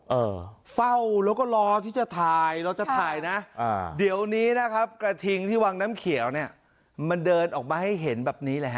เออเฝ้าแล้วก็รอที่จะถ่ายเราจะถ่ายนะอ่าเดี๋ยวนี้นะครับกระทิงที่วังน้ำเขียวเนี่ยมันเดินออกมาให้เห็นแบบนี้เลยฮะ